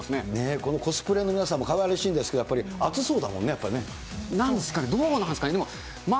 このコスプレの皆さんもかわいらしいんですけど、やっぱり暑そうだもんね、なんですかね、どうなんですかね。